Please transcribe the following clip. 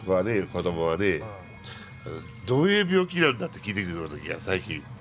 子供はねどういう病気なんだって聞いてくる時がある最近。